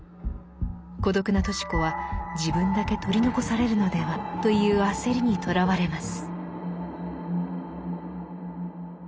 孤独なとし子は自分だけ取り残されるのではという焦りにとらわれます。